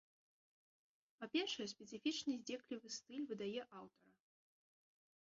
Па-першае, спецыфічны здзеклівы стыль выдае аўтара.